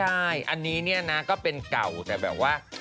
อันนี้นะก็เป็นเก่าแต่แบบว่า